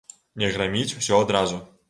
Не граміць усё адразу.